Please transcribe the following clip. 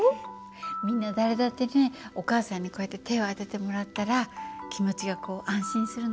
みんな誰だってねお母さんにこうやって手を当ててもらったら気持ちがこう安心するの。